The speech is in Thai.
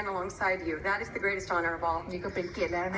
นี่ก็เป็นเกียรติภาพของทุกคน